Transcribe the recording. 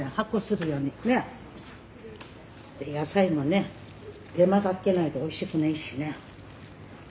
野菜もね手間かけないとおいしくないしね。